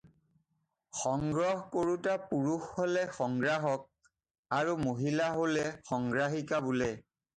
সংগ্ৰহ কৰোঁতা পুৰুষ হ'লে "সংগ্ৰাহক" আৰু মহিলা হ'লে "সংগ্ৰাহিকা" বোলে।